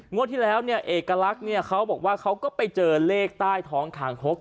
ที่แล้วเนี่ยเอกลักษณ์เนี่ยเขาบอกว่าเขาก็ไปเจอเลขใต้ท้องคางคก